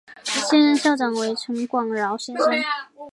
现任校长为陈广尧先生。